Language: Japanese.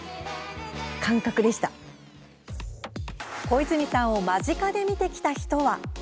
小泉さんを間近で見てきた人は。